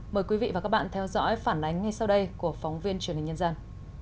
mời quý vị và các bạn theo dõi phản ánh ngay sau đây của phóng viên truyền hình nhân dân